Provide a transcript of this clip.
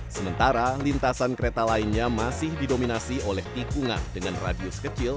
sementara lintasan kereta lainnya masih didominasi oleh tikungan dengan radius kecil